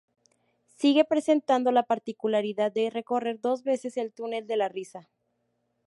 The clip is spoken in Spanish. Sigue presentando la particularidad de recorrer dos veces el túnel de la risa.